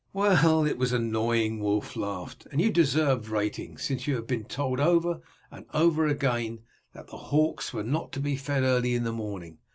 "Well, it was annoying," Wulf laughed; "and you deserved rating, since you have been told over and over again that the hawks were not to be fed early in the morning.